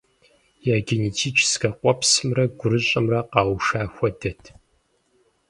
Я генетическэ къуэпсымрэ гурыщӏэмрэ къэуша хуэдэт.